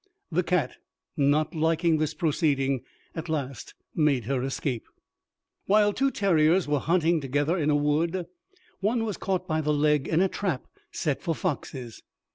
The cat, not liking this proceeding, at last made her escape. While two terriers were hunting together in a wood, one was caught by the leg in a trap set for foxes.